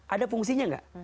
ada fungsinya gak